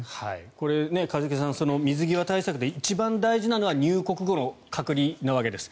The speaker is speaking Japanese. これ、一茂さん水際対策で一番大事なのは入国後の隔離なわけです。